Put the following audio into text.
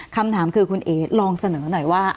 คำถามคือคุณเอ๋ลองเสนอหน่อยว่า